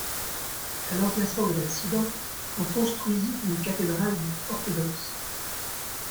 À l'emplacement de l'accident, on construisit une cathédrale orthodoxe.